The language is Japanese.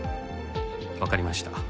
わかりました。